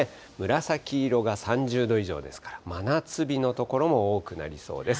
紫色が３０度以上ですから、真夏日の所も多くなりそうです。